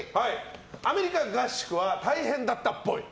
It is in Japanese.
アメリカ合宿は大変だったっぽい。